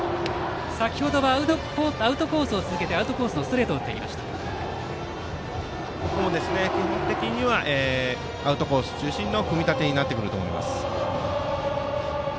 先程はアウトコースを続けアウトコースのストレートをここも基本的にはアウトコース中心の組み立てになってくると思います。